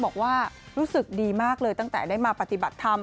บอกว่ารู้สึกดีมากเลยตั้งแต่ได้มาปฏิบัติธรรม